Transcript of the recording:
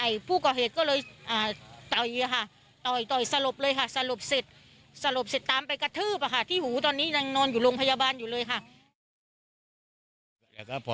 อยู่แลเอาเอาปืนดูแลเอาเอาเปิลออกเลยครับ